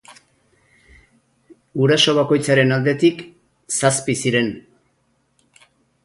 Guraso bakoitzaren aldetik zazpi ziren.